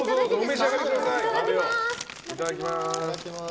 いただきます。